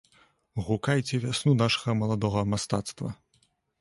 Гукайце вясну нашага маладога мастацтва!